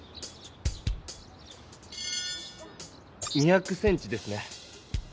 ２００ｃｍですね。